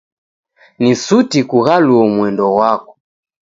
Ni suti kughaluo mwendo ghwako.